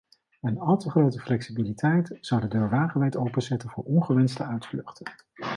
Een al te grote flexibiliteit zou de deur wagenwijd openzetten voor ongewenste uitvluchten.